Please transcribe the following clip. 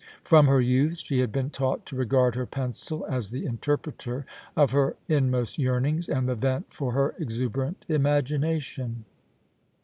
From her youth she had been taught to regard her pencil as the interpreter of her inmost yearnings, and the vent for her exuberant imagination.